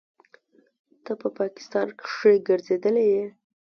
ته په پاکستان کښې ګرځېدلى يې.